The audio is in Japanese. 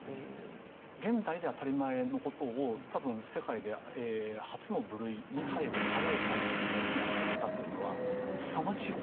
現代で当たり前のことを多分世界で初の部類に入る早いタイミングでやっちゃったというのはすさまじいことです。